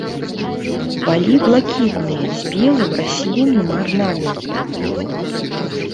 Палі блакітныя з белым раслінным арнаментам.